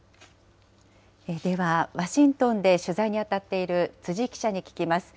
では、ワシントンで取材に当たっている辻記者に聞きます。